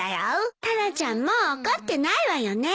タラちゃんもう怒ってないわよね。